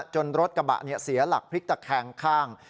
รถกระบะเสียหลักพลิกตะแคงข้าง